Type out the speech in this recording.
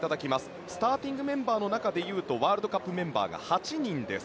スターティングメンバーの中で言うとワールドカップメンバーが８人です。